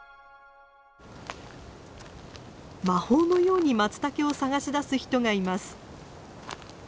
魔法のようにマツタケを探し出す人がいます。